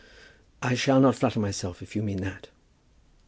"I shall not flatter myself, if you mean that."